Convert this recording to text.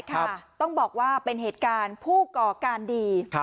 ต้องบอกว่าเป็นเหตุการณ์ผู้ก่อการดี